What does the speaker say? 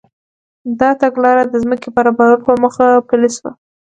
دا تګلاره د ځمکې برابرولو په موخه پلي شوې وه.